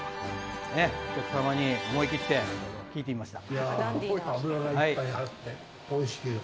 お客様に思い切って聞いてみました。